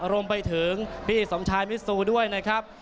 รวมไปถึงพี่สมชายมิซูด้วยนะครับ